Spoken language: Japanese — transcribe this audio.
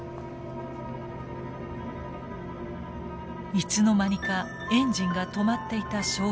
いつの間にかエンジンが止まっていた消防車。